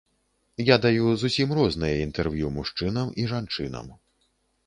Я даю зусім розныя інтэрв'ю мужчынам і жанчынам.